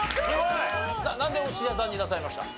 なんでお寿司屋さんになさいました？